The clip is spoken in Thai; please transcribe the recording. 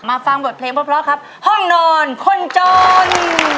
ฟังบทเพลงเพราะครับห้องนอนคนจน